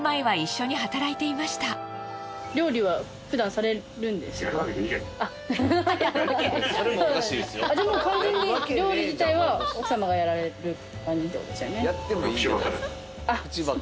そうなんですかじゃもう完全に料理自体は奥様がやられる感じってことですよね。